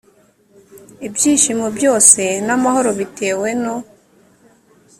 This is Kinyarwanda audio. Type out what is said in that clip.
ibyishimo byose n amahoro bitewe no